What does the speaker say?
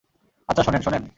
আচ্ছা শোনেন, শোনেন।